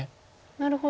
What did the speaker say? なるほど。